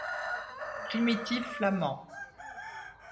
Primitifs flamands.